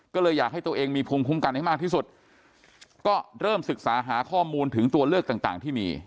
ก็เลยอยากให้ตัวเองมีภูมิคุ้มกันให้มากที่สุดก็เริ่มศึกษาหาข้อมูลถึงตัวเลือกต่างที่มี